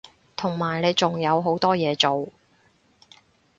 同埋你仲有好多嘢做